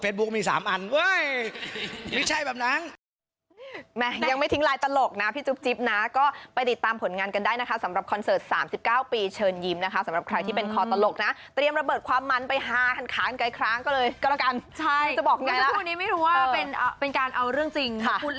เฟสบุ๊คมีสามอันเว้ยไม่ใช่แบบนั้น